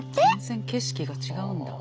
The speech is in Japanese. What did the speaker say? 全然景色が違うんだ。